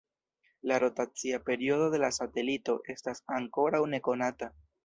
La rotacia periodo de la satelito estas ankoraŭ nekonata.